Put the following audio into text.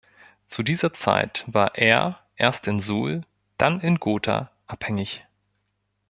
Zu dieser Zeit war er erst in Suhl, dann in Gotha abhängig.